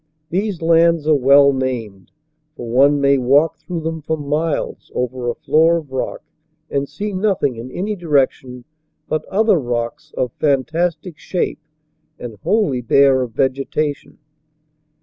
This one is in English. These lands are well named, for one may walk through them for miles over a floor of rock, and see nothing in any direction but other rocks of fantastic shape and wholly bare of vegetation.